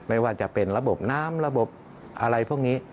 ไม่ว่าจะเป็นระบบน้ำระบบอะไรพวกนี้